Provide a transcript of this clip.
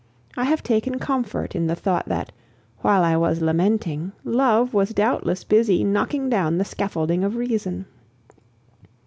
I have taken comfort in the thought that, while I was lamenting, love was doubtless busy knocking down the scaffolding of reason.